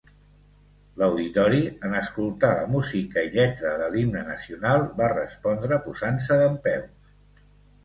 L'auditori, en escoltar la música i lletra de l'Himne Nacional, va respondre posant-se dempeus.